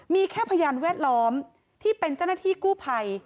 มีแค่พยานแวดล้อมที่เป็นเจ้าหน้าที่กู้ภัย